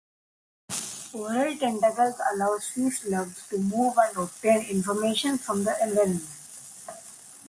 Oral tentacles allow sea slugs to move and obtain information from the environment.